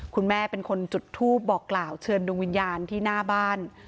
คุณแม่เป็นคนจุดทูปบอกกล่าวเชิญดวงวิญญาณที่หน้าบ้าน